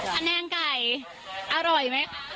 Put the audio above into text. แนงไก่อร่อยไหม